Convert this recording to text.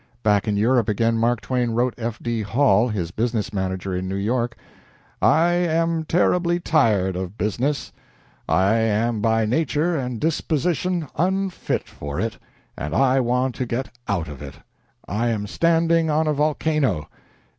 Back in Europe again, Mark Twain wrote F. D. Hall, his business manager in New York: "I am terribly tired of business. I am by nature and disposition unfit for it, and I want to get out of it. I am standing on a volcano.